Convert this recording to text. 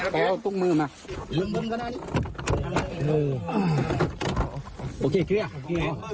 กรุมมือมาเริ่มเริ่มข้างหน้านี้โอเคเคลื่อโอเคโอเค